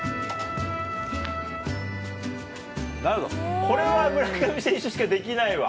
なるほどこれは村上選手しかできないわ。